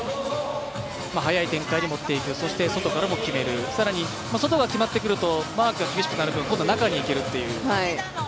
速い展開に持っていくそして外からも決めていく更に、外が決まってくるとマークが激しくなってくる分今度、中にいけるという。